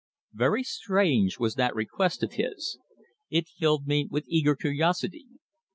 Very strange was that request of his. It filled me with eager curiosity.